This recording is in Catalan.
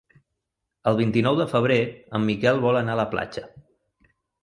El vint-i-nou de febrer en Miquel vol anar a la platja.